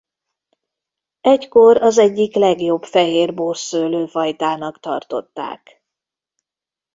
Egykor az egyik legjobb fehérborszőlő-fajtának tartották.